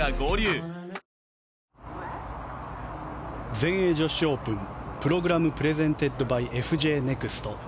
全英女子オープンＰｒｏｇｒａｍｐｒｅｓｅｎｔｅｄｂｙＦＪネクスト。